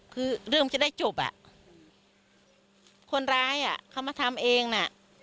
คือเรื่องมันจะได้จบอ่ะคนร้ายอ่ะเขามาทำเองน่ะ